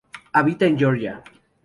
Habita en Georgia.